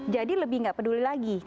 jadi lebih gak peduli lagi